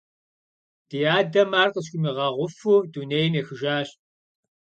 Ди адэм ар къысхуимыгъэгъуфу дунейм ехыжащ.